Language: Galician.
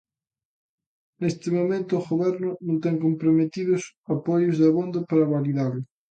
Neste momento o Goberno non ten comprometidos apoios de abondo para validalo.